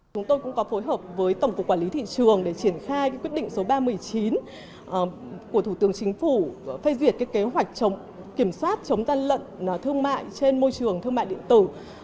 chúng tôi cũng có phối hợp với tổng cục quản lý thị trường để triển khai quyết định số ba trăm một mươi chín của thủ tướng chính phủ phê duyệt kế hoạch kiểm soát chống gian lận thương mại trên môi trường thương mại điện tử